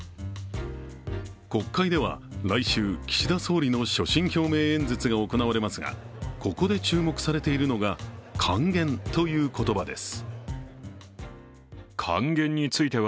国会では来週、岸田総理の所信表明演説が行われますがここで注目されているのが還元という言葉です。